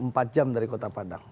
empat jam dari kota padang